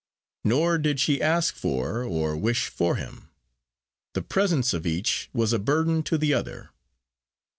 Nor did she ask for, or wish for him. The presence of each was a burden to the other.